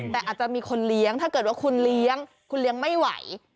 แต่อาจจะมีคนเลี้ยงถ้าเกิดว่าคุณเลี้ยงคุณเลี้ยงไม่ไหว